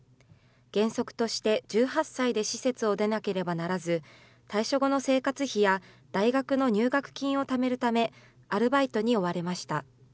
原則として１８歳で施設を出なければならず、退所後の生活費や大学の入学金をためるため、アルバイトに追われました。